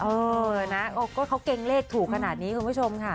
เออนะก็เขาเกรงเลขถูกขนาดนี้คุณผู้ชมค่ะ